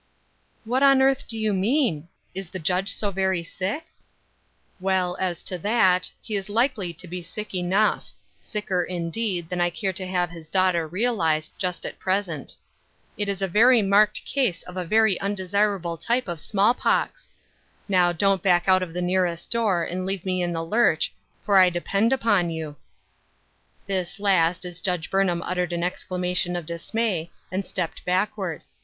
" What on earth do you mean ? Is the Judge so very sick ?"" Well, as to that, he is likely to be sick enough — sicker, indeed, than I care to have his daughter realize, just at present. But the nat ure of the sickness is the trouble, It is a very marked case of a very undesirable type of small pox I Now, don't back out of the nearest door, and leave me in the lurch, for I depend on you." This last, as Judge Burnham uttered an ex clamation of dismay, and stepped backward.